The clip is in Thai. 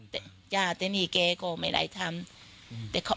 แต่นานี้เกตก็ไม่ได้ทำ